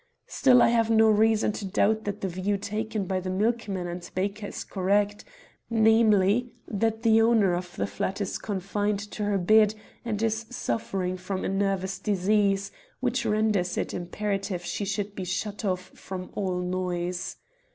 Still, I have no reason to doubt that the view taken by the milkman and baker is correct, namely, that the owner of the flat is confined to her bed and is suffering from a nervous disease, which renders it imperative she should be shut off from all noise.